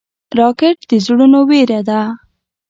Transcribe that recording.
راکټ د زړونو وېره ده